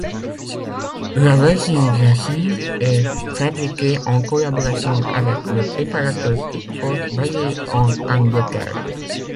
La version Racing est fabriquée en collaboration avec le préparateur Tickford basé en Angleterre.